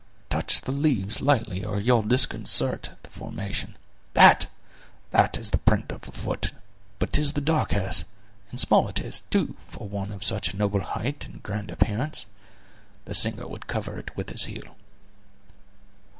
"Touch the leaves lightly or you'll disconsart the formation. That! that is the print of a foot, but 'tis the dark hair's; and small it is, too, for one of such a noble height and grand appearance. The singer would cover it with his heel."